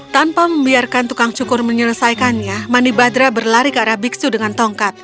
tanpa membiarkan tukang cukur menyelesaikannya manibadra berlari ke arah biksu dengan tongkat